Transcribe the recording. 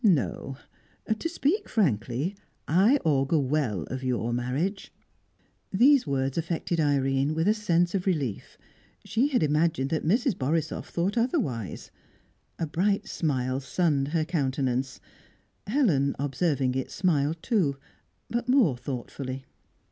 "No. To speak frankly, I auger well of your marriage." These words affected Irene with a sense of relief. She had imagined that Mrs. Borisoff thought otherwise. A bright smile sunned her countenance; Helen, observing it, smiled too, but more thoughtfully.